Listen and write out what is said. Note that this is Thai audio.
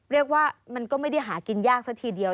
เรียกว่ามันก็ไม่ได้หากินยากซะทีเดียว